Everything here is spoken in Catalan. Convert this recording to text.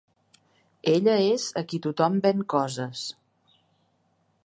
Ella és a qui tothom ven coses.